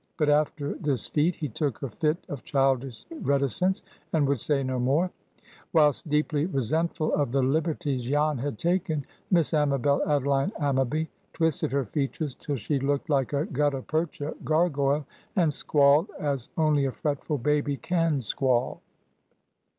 But, after this feat, he took a fit of childish reticence, and would say no more; whilst, deeply resentful of the liberties Jan had taken, Miss Amabel Adeline Ammaby twisted her features till she looked like a gutta percha gargoyle, and squalled as only a fretful baby can squall.